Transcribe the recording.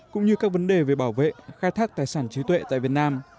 cũng như các vấn đề về bảo vệ khai thác tài sản trí tuệ tại việt nam